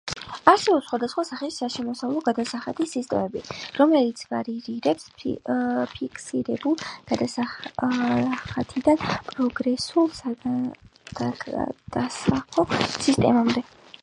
არსებობს სხვადასხვა სახის საშემოსავლო გადასახადის სისტემები, რომელიც ვარირებს ფიქსირებული გადასახადიდან პროგრესულ საგადასახადო სისტემამდე.